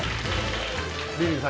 リリーさん